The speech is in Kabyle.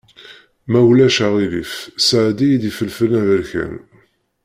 Ma ulac aɣilif sɛeddi-yi-d ifelfel aberkan.